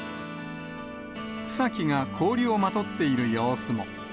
草木が氷をまとっている様子も。